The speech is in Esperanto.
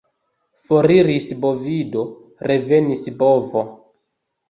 Foriris bovido, revenis bovo.